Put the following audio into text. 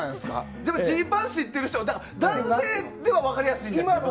ジーパン知ってる人は男性では分かりやすいかも。